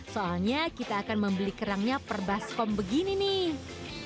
soalnya kita akan membeli kerangnya per baskom begini nih